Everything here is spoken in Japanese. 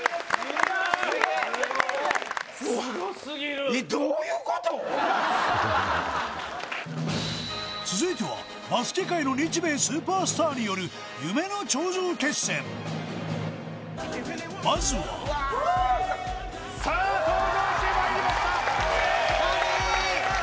すごすぎる続いてはバスケ界の日米スーパースターによる夢の頂上決戦まずはさあ登場してまいりましたカリー！